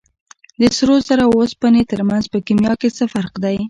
د سرو زرو او اوسپنې ترمنځ په کیمیا کې څه فرق دی